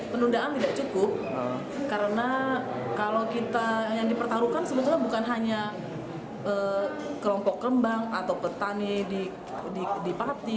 penundaan tidak cukup karena kalau kita yang dipertaruhkan sebetulnya bukan hanya kelompok kembang atau petani di pati